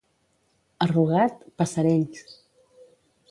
A Rugat, passerells.